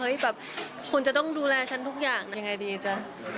แบบคุณจะต้องดูแลฉันทุกอย่างยังไงดีจ้ะ